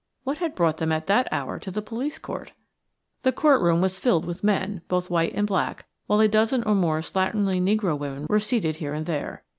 What had brought them at that hour to the police court? The court room was filled with men, both white and black, while a dozen or more slatternly negro women were seated here and there.